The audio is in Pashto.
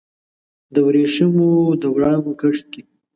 د وریښمېو وړانګو کښت کې